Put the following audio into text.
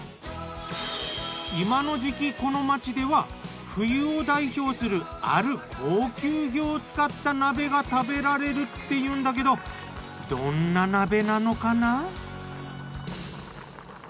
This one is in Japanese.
今の時期この街では冬を代表するある高級魚を使った鍋が食べられるっていうんだけどどんな鍋なのかな？